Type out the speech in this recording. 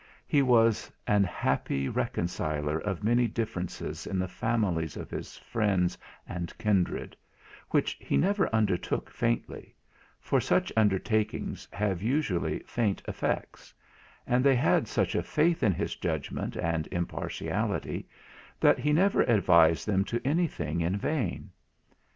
He was an happy reconciler of many differences in the families of his friends and kindred, which he never undertook faintly; for such undertakings have usually faint effects and they had such a faith in his judgment and impartiality, that he never advised them to any thing in vain.